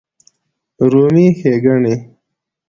رومي ښېګڼې